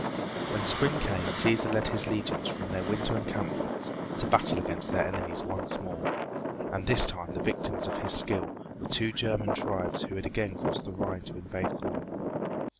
When spring came Cæsar led his legions from their winter encampments to battle against their enemies once more, and this time the victims of his skill were two German tribes who had again crossed over the Rhine to invade Gaul.